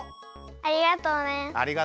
ありがとうね。